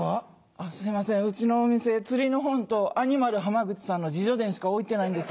あっすいませんうちのお店釣りの本とアニマル浜口さんの自叙伝しか置いてないんです。